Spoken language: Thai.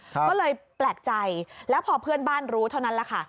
ก็เลยแปลกใจแล้วพอเพื่อนบ้านรู้เท่านั้นแหละค่ะ